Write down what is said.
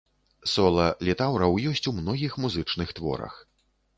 Сола літаўраў ёсць у многіх музычных творах.